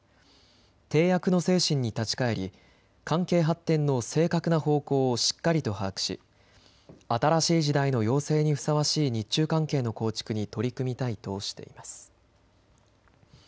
締約の精神に立ち返り、関係発展の正確な方向をしっかりと把握し新しい時代の要請にふさわしい日中関係の構築に取り組みたいとしています。